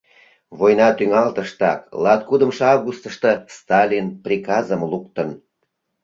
— Война тӱҥалтыштак, латкудымшо августышто, Сталин приказым луктын...